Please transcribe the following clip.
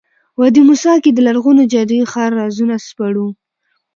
وادي موسی کې د لرغوني جادویي ښار رازونه سپړو.